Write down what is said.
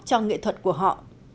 cho nghệ thuật của họ